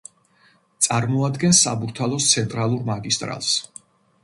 წარმოადგენს საბურთალოს ცენტრალურ მაგისტრალს.